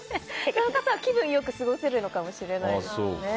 その方は気分良く過ごせるのかもしれないですね。